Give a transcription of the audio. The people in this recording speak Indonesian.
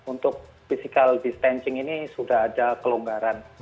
untuk physical distancing ini sudah ada kelonggaran